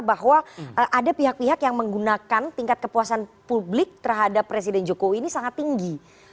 bahwa ada pihak pihak yang menggunakan tingkat kepuasan publik terhadap presiden jokowi ini sangat tinggi